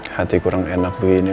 hati kurang enak begini